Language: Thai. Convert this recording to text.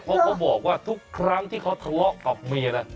ก็คือบอกว่าทุกครั้งที่เค้าทะเวาะกับเมียน่ะ